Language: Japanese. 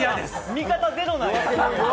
味方ゼロなんや。